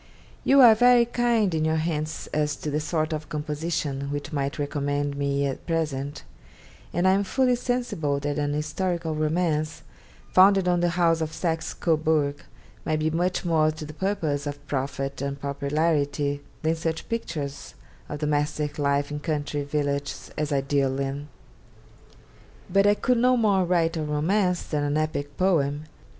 'You are very kind in your hints as to the sort of composition which might recommend me at present, and I am fully sensible that an historical romance, founded on the House of Saxe Cobourg, might be much more to the purpose of profit or popularity than such pictures of domestic life in country villages as I deal in. But I could no more write a romance than an epic poem.